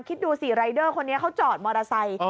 คิดดูสิรายเดอร์คนนี้เขาจอดมอเตอร์ไซค์